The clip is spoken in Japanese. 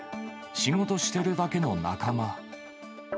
仕事してるだけの仲間。